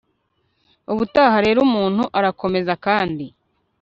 ubutaha rero umuntu arakomeza kandi